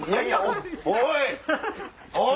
おい！